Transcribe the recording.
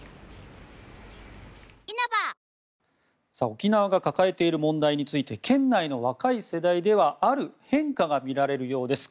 沖縄が抱えている問題について県内の若い世代ではある変化がみられるようです。